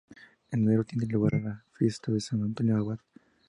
En enero tiene lugar la fiesta de San Antonio Abad.